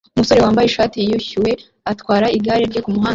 Umusore wambaye ishati yishyuwe atwara igare rye kumuhanda